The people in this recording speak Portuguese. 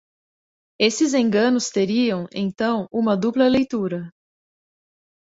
Esses enganos teriam, então, uma dupla leitura.